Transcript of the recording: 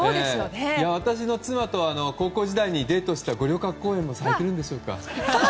私の妻と高校時代にデートした五稜郭公園も咲いているんでしょうか。